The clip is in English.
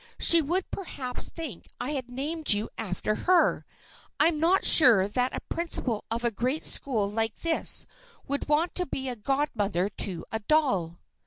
She would perhaps think I had named you after her. I'm not sure that a principal of a great school like this would want to be godmother to a doll.